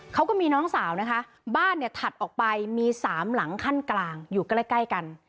เขาก็มีน้องสาวบ้านถัดออกไปมีสามหลังขั้นกลางอยู่ใกล้กัน